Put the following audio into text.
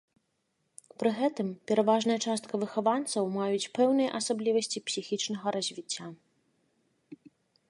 Пры гэтым, пераважная частка выхаванцаў маюць пэўныя асаблівасці псіхічнага развіцця.